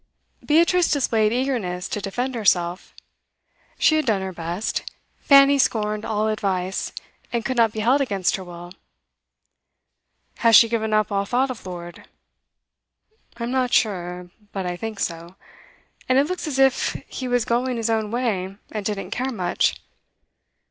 Beatrice displayed eagerness to defend herself. She had done her best; Fanny scorned all advice, and could not be held against her will. 'Has she given up all thought of Lord?' 'I'm not sure, but I think so. And it looks as if he was going his own way, and didn't care much.